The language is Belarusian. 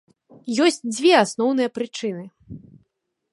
Ёсць дзве асноўныя прычыны.